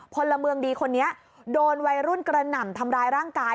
พลเมืองดีคนนี้โดนวัยรุ่นกระหน่ำทำร้ายร่างกาย